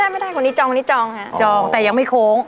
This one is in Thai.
ไม่ได้คนนี้จองนี้จองค่ะจองแต่ยังไม่โค้ง